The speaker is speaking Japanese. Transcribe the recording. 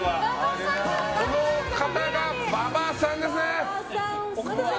この方が馬場さんです。